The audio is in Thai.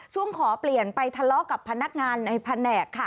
ขอเปลี่ยนไปทะเลาะกับพนักงานในแผนกค่ะ